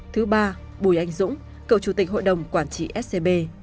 thứ ba bùi anh dũng cựu chủ tịch hội đồng quản trị scb